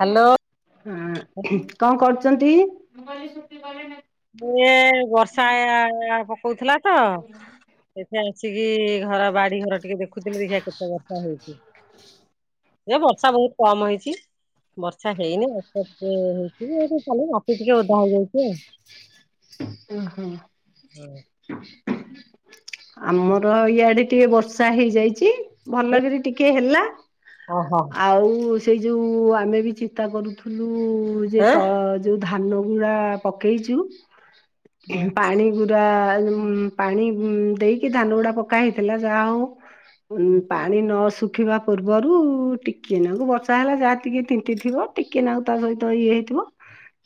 Hello ହଁ ଙ୍କ କରୁଚନ୍ତି? ଇଏ ବର୍ଷା ପକଉଥିଲା ତ ଏଠେ ଆସିକି ଘର ବାଡି ଟିକେ ଦେଖୁଥିଲି ଦେଖା କେତେ ବର୍ଷା ହେଉଚି ଏ ବର୍ଷା ବହୁତ କମ ହେଇଚି। ବର୍ଷା ହେଇନି ବର୍ଷା ଟିକେ ହେଇଛି ଏ ଖାଲି ମାଟି ଟିକେ ଓଦା ହେଇଯାଇଚି। ଓହୋ। ଆଉ। ଆମର ଇଆଡେ ଟିକେ ବର୍ଷା ହେଇଯାଇଚି ଭଲକିରି ଟିକେ ହେଲା। ଓହୋ ଆଉ ସେଇ ଯୋଉ ଆମେ ବି ଚିନ୍ତା କରୁଥିଲୁ ଯେ ତ ଯୋଉ ଧାନ ଗୁରା ପକେଇଚୁ ହୁଁ ପାଣି ପା ଉଁ ପାଣି ଉଁ ଦେଇକି ଧାନ ଗୁଡା ପକା ହେଇଥିଲା, ଯାହା ହଉ ଉଁ ମା ପାଣି ନ ଶୁଖିବା ପୂର୍ବରୁ ଟିକିଏ ନାକୁ ବର୍ଷା ହେଲା, ଯାହା ଟିକିଏ ତିନ୍ତି ଥିବ। ଟିକେ ନାଗୁରୁ ତା ତଇ ତ ଇଏ ହେଇଥିବ।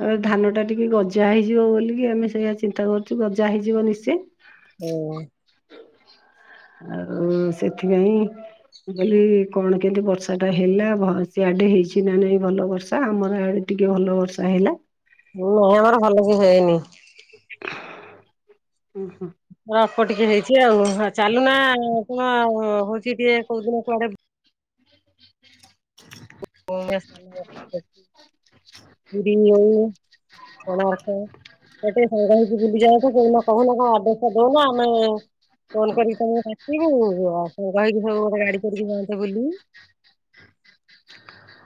ଆଉ ଧାନ ଟା ଟିକେ ଗଜା ହେଇଯିବ ବୋଲିକି ଆମେ ସେଇଆ ଚିନ୍ତା କରୁଚୁ ଗଜା ହେଇଯିବ ନିଶ୍ଚୟେ। ଓ। ଆଉ ସେଥିପାଇଁ ମୁଁ କହଲି କଣ କେମତି ବର୍ଷା ଟା ହେଲା ବହ ସିଆଡେ ହେଇଚି ନା ନାଇଁ ଭଲ ବର୍ଷା ଆମର ୟାଡେ ଟିକେ ଭଲ ବର୍ଷା ହେ ନିଅ ଆମର ଭଲ କି ହେଇନି। ଉଁ। ଅ ଅଳ୍ପ ଟିକେ ହେଇଛି ଆଉ ହ ଚାଲୁନା କଣ ହଉଛି ଟିକେ କୋଉ ଦିନ କୁଆଡେ [unintelligible] [unintelligible] କୋଣାର୍କ ଗୋଟେ ସାଙ୍ଗ ହେଇକି ବୁଲି ଯାଆନ୍ତୁ କ [unintelligible] କହୁନା କଣ, ଆଡ୍ରସ ଦଉନା ଆମେ ଫୋନ କରିକି ତମକୁ ଡାକିବୁ ଆଉ ସାଙ୍ଗ ହେଇକି ସବୁ ଗୋଟେ ଗାଡି କରିକି ଯାଆନ୍ତେ ବୁଲି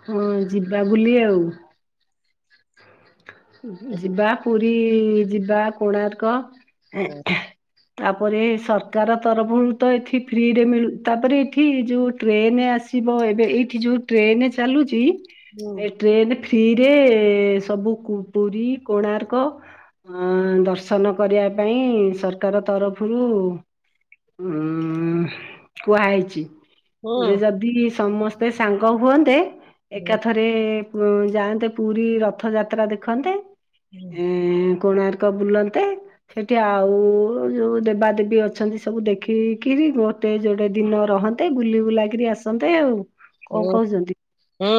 ହଁ ଯିବା ବୁଲି ଆଉ ଯିବା, ପୁରୀ ଯିବା, କୋଣାର୍କ ହୁଁ ତାପରେ ସରକାର ତରଫରୁ ତ ଏଠି ଫ୍ରିରେ ମିଳୁ ତାପରେ ଏଠି ଯୋଉ ଟ୍ରେନ ଆସି ଯିବ, ଏବେ ଏଇଠି ଯୋଉ ଟ୍ରେନ ଚାଲୁଚି ହୁଁ ଏ ଟ୍ରେନ ଫ୍ରିରେ ସବୁ ପୁରୀ କୋଣାର୍କ ଅ ଦର୍ଶନ କରିବା ପାଇଁ ସରକାର ତରଫରୁ ଉଁ ଉଁ କୁହା ହେଇଛି। ଯେ ଯଦି ସମସ୍ତେ ସାଙ୍ଗ ହୁଅନ୍ତେ, ହୁଁ ଏକାଥରେ ଯାଆନ୍ତେ ପୁରୀ ରଥ ଯାତ୍ରା ଦେଖନ୍ତେ, ଏ ଏ କୋଣାର୍କ ବୁଲନ୍ତେ। ସେଠି ଆଉ ଯୋଉ ଦେବା ଦେବୀ ଅଛନ୍ତି ସବୁ ଦେଖିକିରି ଗୋଟେ ଯୋଡେ ଦିନ ରହନ୍ତେ, ବୁଲି ବୁଲା କିରି ଆସନ୍ତେ ଆଉ। କଣ ହୁଁ କହୁଛନ୍ତି? ହୁଁ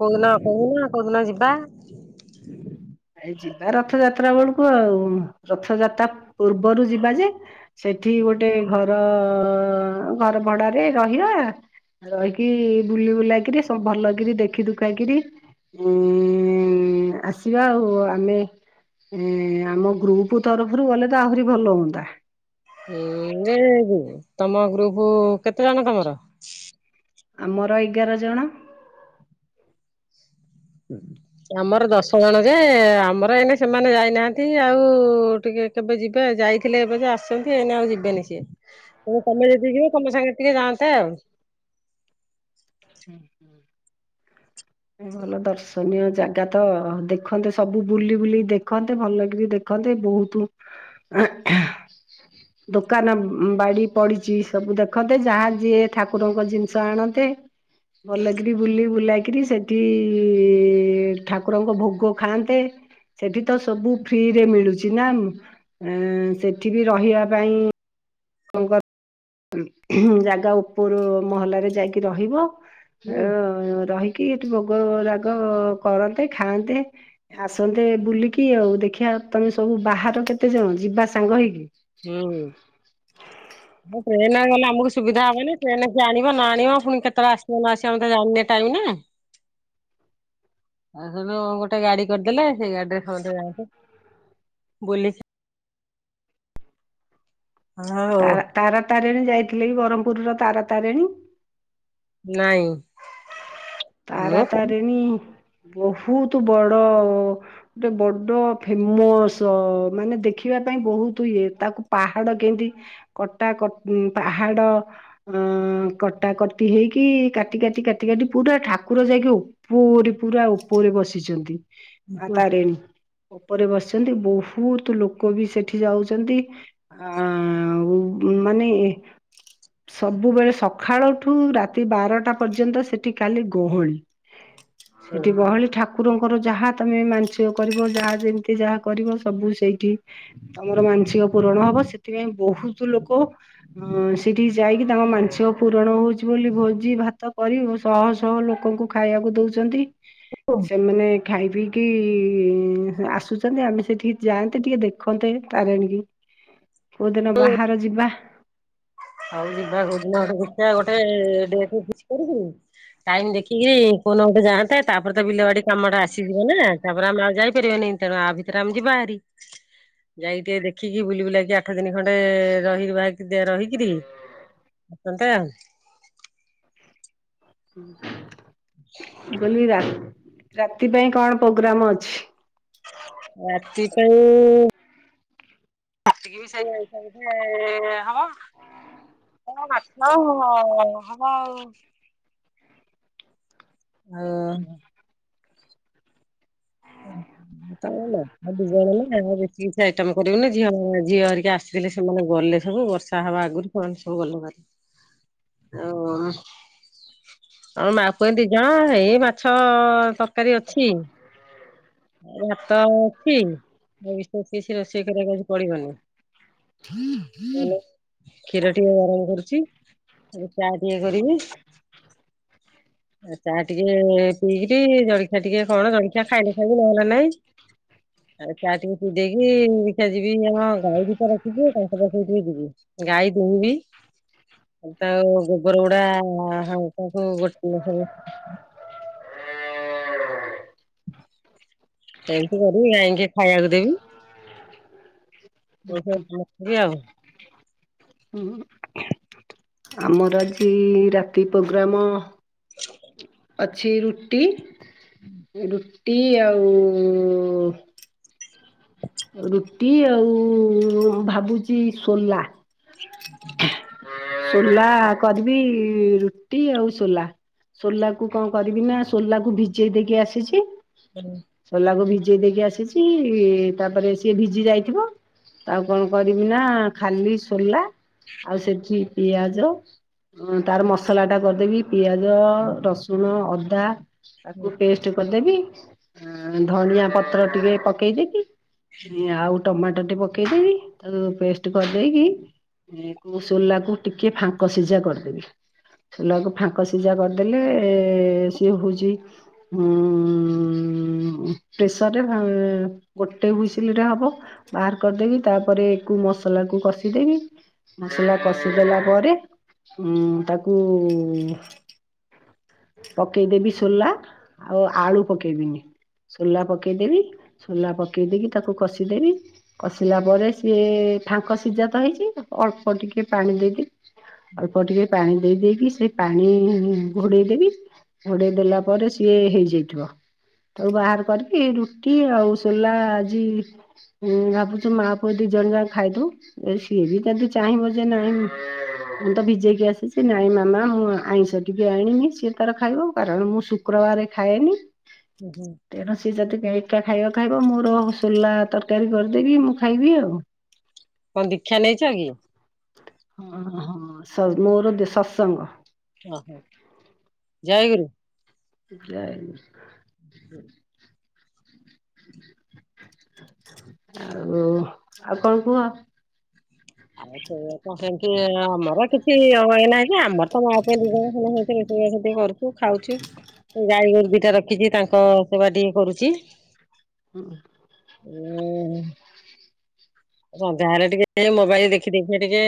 କୋଉଦିନ-କୋଉଦିନ-କୋଉଦିନ-କୋଉଦିନ ଯିବା? [inaudible] ଏ ଯିବା ରଥ ଯାତ୍ରା ବେଳକୁ ଆଉ, ରଥଯାତ୍ରା ପୂର୍ବରୁ ଯିବା ଯେ ସେଠି ଗୋଟେ ଘର, ଘର ଭଡାରେ ରହିବା। ରହିକି ବୁଲି ବୁଲା କିରି, ସବୁ ଭଲ କିରି ଦେଖି ଦୁଖା କିରି ଉଁ ଉଁ ଆସିବା ଆଉ, ଆମେ ଏ ଆମ ଗ୍ରୁପ ତରଫରୁ ଗଲେ ତ ଆହୁରି ଭଲ ହୁଅନ୍ତା। ହୁଁ ଯେ -ତମ ଗ୍ରୁପ କେତେ ଜଣ ତମର? ଆମର ଏଗାର ଜଣ। ଆମର ଦଶ ଜଣ ଯେ, ଆମର ଏନେ ସେମାନେ ଯାଇନାହାନ୍ତି ଆଉ ଟିକେ କେବେ ଯିବେ? ଯାଇଥିଲେ ଏବେ ଯେ ଆସଛନ୍ତି ଏନ ଆଉ ଯିବେନି ସିଏ। ତ ତମେ ଯଦି ଯିବ, ତମେ ସାଙ୍ଗେ ଟିକେ ଯାଆନ୍ତେ ଆଉ। ହୁଁ ହୁଁ ଭଲ ଦର୍ଶନୀୟ ଜାଗା ତ ଦେଖନ୍ତେ, ସବୁ ବୁଲି ବୁଲିକି ଦେଖନ୍ତେ, ଭଲ କିରି ଦେଖ ଦେଖନ୍ତେ, ବହୁତ ଦୋକାନ ବାଡ଼ି ପଡିଛି ସବୁ ଦେଖନ୍ତେ, ଯାହା ଯିଏ ଠାକୁରଙ୍କ ଜିନିଷ ଆଣନ୍ତେ। ଭଲକିରି ବୁଲି ବୁଲା କିରି ସେଠି ଠାକୁରଙ୍କ ଭୋଗ ଖାଆନ୍ତେ। ସେଠି ତ ସବୁ ଫ୍ରିରେ ମିଳୁଛି ନା, ସେଠି ବି ରହିବା ପାଇଁ ଙ୍କ ଜାଗା ଉପରୁ ମହଲରେ ଯାଇକି ରହିବ। ହୁଁ ହ ରହିକି ଏଠି ଭୋଗ ରାଗ କରନ୍ତେ, ଖାଆନ୍ତେ। ଆସନ୍ତେ ବୁଲିକି ଆଉ ଦେଖିଆ ତମେ ସବୁ ବାହାର କେତେ ଜଣ, ଯିବା ସାଙ୍ଗ ହେଇକି। ହୁଁ ଉ [inaudible] ହ ଟ୍ରେନରେ ଗଲେ ଆମକୁ ସୁବିଧା ହବନି, ଟ୍ରେନ କିଏ ଆଣିବ ନ ଆଣିବ, ପୁଣି କେତେବେଳେ ଆସିବ ନ ଆସିବ, ଆମ ତ ଜାଣିନେ ଟାଇମ ନା [inaudible] ଆଉ ସେଠୁ ଗୋଟେ ଗାଡି କରିଦେଲେ, ସେଇ ଗାଡିରେ ସମସ୍ତେ ଯାଆନ୍ତେ। ବୋଲେ ହଁ ହଉ ତାରା ତାରା ତାରିଣୀ ଯାଇଥିଲେ କି? ବ୍ରହ୍ମପୁରର ତାରା ତାରିଣୀ? ନାଇଁ ତାରା ମୁଁ ତାରିଣୀ ବହୁତ ବଡ ଗୋଟେ ବଡ ଫେମସ ମାନେ ଦେଖିବା ପାଇଁ ବହୁତ ଇଏ, ତାକୁ ପାହାଡ କେମତି କଟା କ ପାହାଡ ଅ କଟା କଟି ହେଇକି କାଟି କାଟି କାଟି କାଟି ପୁରା ଠା ଠାକୁର ଯାଇକି ଉପରେ ପୁରା ଉପରେ ବସିଛନ୍ତି ମା ତାରିଣୀ। ଉପରେ ବସିଚନ୍ତି ବୋହୁତ ଲୋକ ବି ସେଠି ଯାଉଚନ୍ତି। ଆ ମାନେ ସବୁବେଳେ ସକାଳଠୁ ରାତି ବାରଟା ପର୍ଯ୍ୟନ୍ତ ସେଠି କାଲି ଗହଳି ସେଠି ହୁଁ ଗହଳି ଠା ଠାକୁରଙ୍କର ଯାହା ତମେ ମାନସିକ କରିବ ଯାହା ଯେମିତି ଯାହା କରିବ ସବୁ ସେଇଠି ତମର ମାନସିକ ପୂରଣ ହବ ସେଥିପାଇଁ ବୋହୁତ ଲୋକ ହଁ ସେଠିକି ଯାଇକି ତାଙ୍କ ମାନସିକ ପୂରଣ ହୋଉଚି ବୋଲି ଭୋଜି ଭାତ କରି ସହ ଛଅ ଲୋକଙ୍କୁ ଖାଇବାକୁ ଦୋଉଚନ୍ତି ସେମାନେ ଖାଇ ପିଇକି ଆସୁଛନ୍ତି ଆମେ ସେଠିକି ଯାଆନ୍ତେ ଟିକେ ଦେଖନ୍ତେ ତାରିଣୀ କି। କୋଉଦିନ ବାହାର ଯିବା। ଆଉ ଯିବା କୋଉଦିନ ଗୋଟେ ଦେଖିବା ଗୋଟେ ଡେଟ୍ ଫିକ୍ସ କରିକି ଟାଇମ ଦେଖିକି କୋଉଦିନ ଗୋଟେ ଯାଆନ୍ତେ ତାପରେ ତ ବିଲ ବାଡି କାମଟା ଆସିଯିବ ନା। ତାପରେ ଆମେ ଆଉ ଯାଇପାରିବାନି ତେଣୁ ଆ ଭିତରେ ଆମେ ଯିବା ଭାରି। ଯାଇ ଟିକେ ଦେଖିକି ବୁଲି ବୁଲାକି ଆଠ ଦିନି ଖଣ୍ଡେ ରହିି [unintelligible] ରହିକି [unintelligible] ମୁଁ କହିଲି ରାତି ପାଇଁ କଣ ପ୍ରୋଗ୍ରାମ ଅଛି? ରାତି ପାଇଁ କଟିକି ବି ସେଇ [unintelligible] ହବ। ହଁ ମାଛ ଆ ମ ହବ ଆ ହ ଅ ହଁ ଆଉ ଦୁଇ ଜଣ ନା ଆଉ ବେଶୀ କିଛି ଆଇଟମ କରିବୁନି ଝିଅ ଝିଅ ହରିକା ଆସିଥିଲେ ସେମାନେ ଗଲେ ସବୁ ବର୍ଷେ ତା ହବା ଆଗରୁ ପହଞ୍ଚି ସବୁ ଗଲେ ଭାରି। [inaudible] ଆ ହଉ ଆଉ ମା ପୁଅ ଦି ଜଣ ଏଇ ମାଛ ତରକାରୀ ଅଛି। ଭାତ ଅଛି ଏ ବିଶେଷ କିଛି ରୋଷେଇ କରିବାକୁ ଆଜି ପଡିବନି। ହୁଁ ହୁଁ। କ୍ଷୀର ଟିକେ ଗରମ କରୁଚି ଏବେ ଚା ଟିକେ କରିବି। ଆଉ ଚା ଟିକେ ପିଇକିରି ଜଳଖିଆ ଟିକେ କଣ ଜଳଖିଆ ଖାଇଲେ ଭଲ ନହେଲା ନାଇଁ। ଆ ଚା ଟିକେ ପିଇ ଦେଇକି ଯିବି ଦେଖିଆ ଯିବି ଆମ ଗାଈ ଦିଟା ରଖିଚି ତାଙ୍କ ପାଖକୁ ଟିକେ ଯିବି। ଗାଈ ଦୁଇଁବି। ଏଇତ ଗୋବର ଗୁଡା ହାଉ ତାକୁ ଗୋଟେ [unintelligible] ଏମିତି କରିବି ଗାଇଙ୍କି ଖାଇବାକୁ ଦେବି। [unintelligible] ଆଉ। ହୁଁ। ଆମର ଆଜି ରାତି ପ୍ରୋଗ୍ରାମ ଅଛି ରୁଟି ରୁଟି ଆଉ [inaudible] ରୁଟି ଆଉ ଭାବୁଚି ସୋଲା ଉ ହୁଁ ସୋଲା କରିବି ରୁଟି ଆଉ ସୋଲା। ସୋଲାକୁ କଣ କରିବି ନା ସୋଲାକୁ ଭିଜେଇ ଦେଇକି ଆସିଚି। ହୁଁ। ସୋଲା କୁ ଭିଜେଇ ଦେଇକି ଆସିଚି ତାପରେ ସିଏ ଭିଜି ଯାଇଥିବ ଆଉ କଣ କରିବି ନା ଖାଲି ସୋଲା ଆଉ ସେଠି ପିଆଜ ହଁ ତାର ମସଲା ଟା କରିଦେବି ପିଆଜ ରସୁଣ ଅଦା। ତାକୁ ପେଷ୍ଟ କରିଦେବି ଧନିଆ ପତ୍ର ଟିକେ ପକେଇଦେବି। ଆଉ ଟମାଟୋଟେ ପକେଇଦେବି ତାକୁ ପେଷ୍ଟ କରିଦେଇକି ସୋଲାକୁ ଟିକେ ଫାଙ୍କ ସିଝା କରିଦେବି ସୋଲାକୁ ଫାଙ୍କ ସି ସିଝା କରିଦେଲେ ସିଏ ହଉଛି ହୁଁ ପ୍ରେସରରେ ଭ ଗୋଟେ ହୁଇସିଲ ରେ ହବ ବାହାର କରିଦେଇକି ତାପରେ କୁ ମସଲା କୁ କଷିଦେବି। ମସଲା କଷି ଦେଲା ପରେ ଉଁ ତାକୁ ପକେଇଦେବି ସୋଲା ଆଉ ଆଳୁ ପକେଇବିନି ସୋଲା ପକେଇଦେବି। ସୋଲା ପକେଇ ଦେଇକି ତାକୁ କଷିଦେବି। କଷିଲା ପରେ ସିଏ ଫାଙ୍କ ସିଝା ତ ହେଇଛି ଅଳ୍ପ ଟିକେ ପାଣି ଦେଇକି ଅଳ୍ପ ଟିକେ ପାଣି ଦେଇ ଦେଇେକି ସେ ପାଣି ଘୋଡେ଼ଇ ଦେବୀ ଘୋଡେଇ ଦେଲା ପରେ ସିଏ ହେଇଯାଇଥିବ। ତାକୁ ବାହାର କରିକି ରୁଟି ଆଉ ସୋଲା ଆଜି ହୁଁ ଭାବୁଛି ମାଁ ପୁଅ ଦି ଜଣ ଯାକ ଖାଇଦବୁ। ଏ ସିଏ ବି ଯଦି ଚାହିଁବ ଯେ ନାଇଁ ମୁଁ ତ ଭିଜେଇକି ଆସିଛି ନାଇଁ ମାମା ମୁଁ ଆଇଁଷ ଏବେ ଆଣିକି ସିଏ ତାର ଖାଇବ କାରଣ ମୁଁ ଶୁକ୍ରବାର ଖାଏନି। ହୁଁ ହୁଁ। ତେଣୁ ସିଏ ଯଦି ଏକା ଖାଇବ ଖାଇବ ମୋର ସୋଲା ତରକାରୀ କରିଦେବି ମୁଁ ଖାଇବି ଆଉ। କଣ ଦୀକ୍ଷା ନେଇଛ କି? ହଁ ମୋର ସତ୍ସଙ୍ଗ। ଓହୋ ଜୟଗୁରୁ। ଜୟଗୁରୁ। [inaudible] ଆଉ ଆଉ କଣ କୁହ? [unintelligible] [unintelligible] ସେ ଖାଉଛି ଗାଈ ଗୋରୁ ଦିଟା ରଖିଛି ତାଙ୍କ ସେବା ଟିକେ କରୁଛି। ହୁଁ। [unintelligible] ସନ୍ଧ୍ୟା ହେଲେ ଟିକେ ମୋବାଇଲ ଦେଖି ଦେଖି ଟିକେ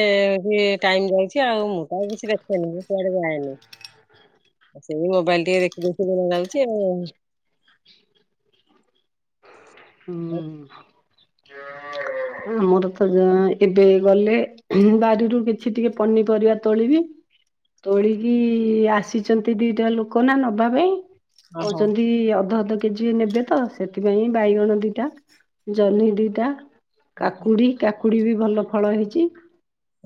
ଟାଇମ ଯାଉଛି ଆଉ ମୁଁ ତ ଆଉ କିଛି ଦେଖେନି। କୁଆଡ଼େ ଯାଏନି। [inaudible] ସେଇ ମୋବାଇଲ ଟିକେ ଦେଖି ଦେଖି ଦିନ ଯାଉଛି ଆଉ। ହୁଁ ମୋର ତ ଯ ଏବେ ଗଲେ ବାରିରୁ କିଛି ଟିକେ ପନିପରିବା ତୋଳିବି। ତୋଳିକି ଆସିଛନ୍ତି ଦିଟା ଲୋକ ନା ନବା ପାଇଁ। ଓହୋ। କହୁଛନ୍ତି ଅଧ ଅଧ କେଜିଏ ନେବେ ତ ସେଥିପାଇଁ ବାଇଗଣ ଦିଟା ଜହ୍ନି ଦିଟା ଓହୋ କାକୁଡ଼ି। କାକୁଡ଼ି ବି ଭଲ ଫଳ ହେଇଛି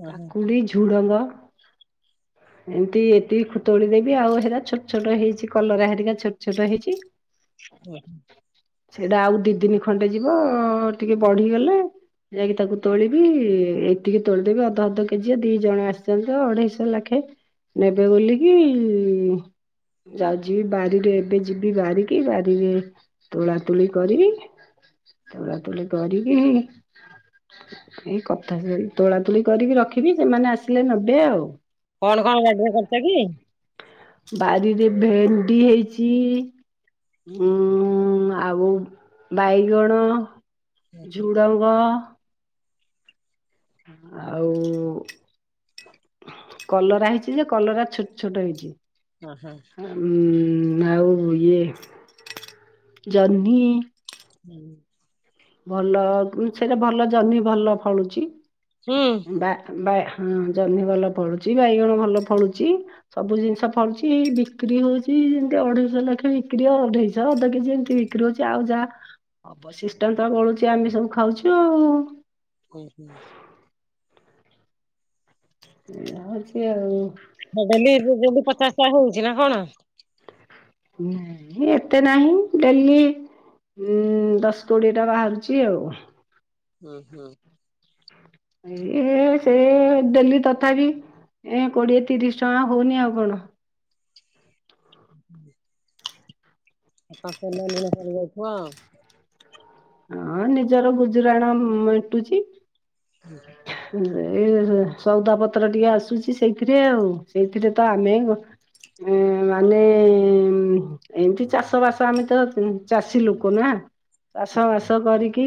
ଓହୋ, କାକୁଡ଼ି ଝୁଡ଼ଙ୍ଗ। ଏମିତି ଏତିକି ତୋଳି ଦେବି ଆଉ ହେରା ଛୋଟ ଛୋଟ ହେଇଛି କଲରା ହେରିକା ଛୋଟ ଛୋଟ ହେଇଛି। ଓ ହୋ। ସେଇଟା ଆଉ ଦି ଦିନି ଖଣ୍ଡେ ଯିବ ଟିକେ ବଦହେଇଗଲେ। ଯାଇକି ତାକୁ ତୋଳିବି ଏତିକି ତୋଳିଦେବି ଅଧ ଅଧ କେଜିଏ ଦି ଜଣ ଆସିଛନ୍ତି ତ ଅଢେଇଶ ଲାଖେ। ନେବେ ବୋଲିକି। ଯାଉଛି ଯିବି ବାରିରୁ ଏବେ ଯିବି ବାରିକି ବାରିରେ ତୋଳା ତୁଳି କରିବି ତୋଳା ତୂଳୀ କରିକି ଏଇ କଥା ତୋଳା ତୋଳି କରିକି ରଖିବି ସେମାନେ ଆସିଲେ ନେବେ ଆଉ। କଣ କଣ ବାଡ଼ିରେ କରିଛ କି? ବାରିରେ ଭେଣ୍ଡି ହେଇଛି ଉଁ ଆଉ ବାଇଗଣ ଝୁଡ଼ଙ୍ଗ ଆଉ। କଲରା ହେଇଛି ଯେ କଲରା ଛୋଟ ଛୋଟ ହେଇଛି। ଆଚ୍ଛା ଆଛ। ଉଁ ଆଉ ଇଏ ଜହ୍ନି ହୁଁ। ଭଲ ମୁ କ ସେଟା ଭଲ ଜହ୍ନି ଭଲ ଫଳୁଛି। ହୁଁ। ବା ବା ହଁ ଜହ୍ନି ଭଲ ଫଳୁଛି ବାଇଗଣ ଭଲ ଫଳୁଛି। ସବୁ ଜିନିଷ ପଳୁଛି ଏଇ ବିକ୍ରି ହଉଛି ଏମିତି ଅଢେଇଶହ ଲେଖାଏଁ ବିକ୍ରି ଅଢେଇଶ ଅଧାକିଲେ ଏମିତି କ୍ରି ହଉଛି ଆଉ ଯାହା ଅବଶିଷ୍ଟାଶଂ ବଳୁଛି ଆମେ ସବୁ ଖାଉଛୁ ଆଉ। କହିବି। ଏୟା ହଉଚି ଆଉ ମୁ କହିଲି ଏବେ ଡ଼େଲି ପଚାଶ ଟଙ୍କା ହଉଛି ନା କଣ? ନାହିଁ ଏତେ ନାହିଁ ଡେଲି ଉଁ ଦଶ କୋଡ଼ିଏ ଟା ବାହାରୁଛି ଆଉ। ହୁଁ ହୁଁ। ଏ [unintelligible] ସେ ଡେଲି ତଥାପି ଏଁ କୋଡିଏ ତିରିଶ ଟଆଁ ହଉନି ଆଉ କଣ। ହ ହ [inaudible] [unintelligible] ଅଁ ନିଜର ଗୁଜୁରାଣ ମେଣ୍ଟୁଛି। [unintelligible] ଏଇ ସଉଦା ପତ୍ର ଟିକେ ଆସୁଛି ସେଇଥିରେ ଆଉ ସେଇଥିରେ ତ ଆମେ ଉଁ ମାନେ ଉଁ। ଏମିତି ଚାଷ ବାସ ଆମେ ତ ଚାଷୀ ଲୁକ ନା। ଚାଷ ବାସ କରିକି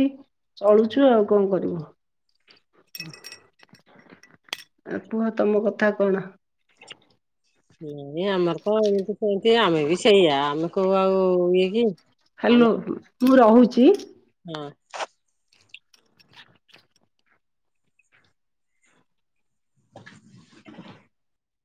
ଚଳୁଛୁ, ଆଉ କଣ କରିବୁ? ହୁଁ [inaudible] ଆଉ କୁହ ତମ କଥା କଣ? ନା ଆମର ଆଉ ଏମିତି କେମତି ଆମେ ବି ସେଇଆ ଆମେ କଉ ଆଉ ଇଏ କି। ଆମେ ହ୍ୟାଲୋ ମୁଁ ରହୁଛି। ହଁ।